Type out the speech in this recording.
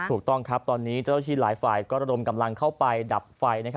ถูกต้องครับตอนนี้เจ้าที่หลายฝ่ายก็ระดมกำลังเข้าไปดับไฟ